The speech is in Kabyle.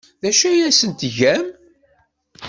D acu ay asen-tgam?